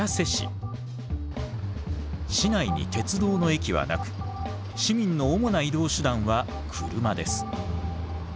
市内に鉄道の駅はなく市民の主な移動手段は車です。